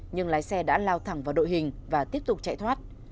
nhưng lái xe đã lao thẳng vào đội hình và tiếp tục chạy thoát